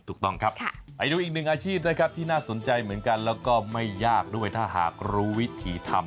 ถูกต้องครับไปดูอีกหนึ่งอาชีพนะครับที่น่าสนใจเหมือนกันแล้วก็ไม่ยากด้วยถ้าหากรู้วิธีทำ